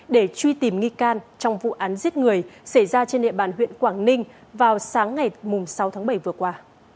để truy tìm nghi can trong vụ án giết người xảy ra trên địa bàn huyện quảng ninh vào sáng ngày sáu tháng bảy vừa qua